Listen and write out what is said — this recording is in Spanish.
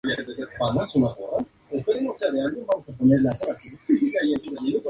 Desembarcan en Kagoshima, entonces capital del reino Sur del Japón.